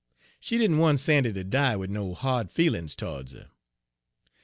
She didn' want Sandy ter die wid no hard feelin's to'ds her.